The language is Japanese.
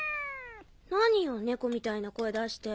何よ猫みたいな声出して。